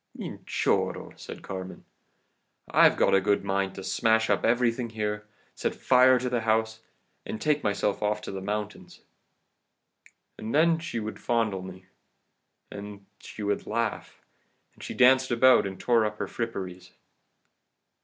"'Minchorro,' said Carmen, 'I've a good mind to smash up everything here, set fire to the house, and take myself off to the mountains.' And then she would fondle me, and then she would laugh, and she danced about and tore up her fripperies.